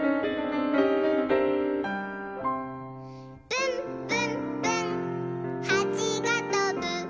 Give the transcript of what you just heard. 「ぶんぶんぶんはちがとぶ」